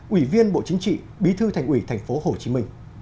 ủy viên bộ chính trị bí thư thành ủy tp hcm